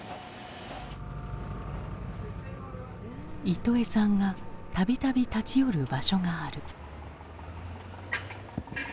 イトエさんが度々立ち寄る場所がある。